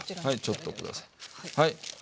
ちょっとくださいはい。